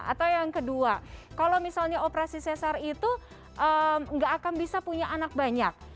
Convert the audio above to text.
atau yang kedua kalau misalnya operasi cesar itu nggak akan bisa punya anak banyak